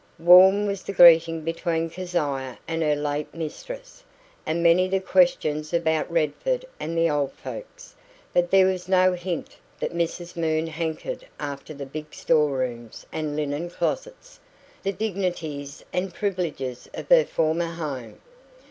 Warm was the greeting between Keziah and her late mistress, and many the questions about Redford and the old folks; but there was no hint that Mrs Moon hankered after the big store rooms and linen closets, the dignities and privileges of her former home.